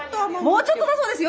もうちょっとだそうですよ。